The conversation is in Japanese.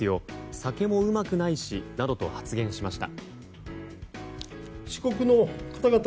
酒もうまくないしなどと発言しました。